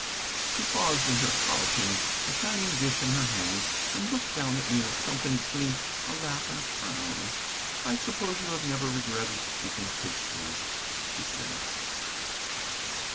She paused in her polishing, a shining dish in her hand, and looked down at me with something between a laugh and a frown. "I suppose you have never regretted speaking hastily," she said.